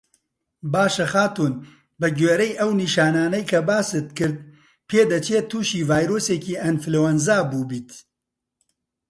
باشه خاتوون بە گوێرەی ئەو نیشانانەی کە باست کرد پێدەچێت تووشی ڤایرۆسێکی ئەنفلەوەنزا بووبیت